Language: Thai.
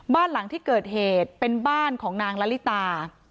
บ้านหลังที่เกิดเหตุเป็นบ้านของนางละลิตา